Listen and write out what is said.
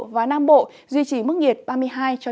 và nam bộ duy trì mức nhiệt ba mươi hai ba mươi ba độ